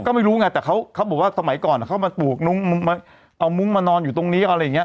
ก็ไม่รู้ไงแต่เขาบอกว่าสมัยก่อนเขามาปลูกมุ้งเอามุ้งมานอนอยู่ตรงนี้อะไรอย่างนี้